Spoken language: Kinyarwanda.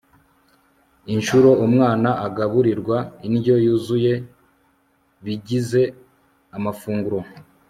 Inshuro umwana agaburirwa indyo yuzuyeIbigize amafungura